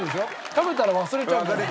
食べたら忘れちゃうんだよ。